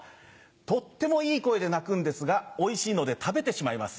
とってもいい声で鳴くんですがおいしいので食べてしまいます。